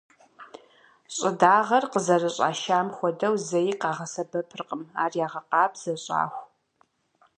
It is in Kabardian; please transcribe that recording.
Щӏыдагъэр къызэрыщӏашам хуэдэу зэи къагъэсэбэпыркъым, ар ягъэкъабзэ, щӏаху.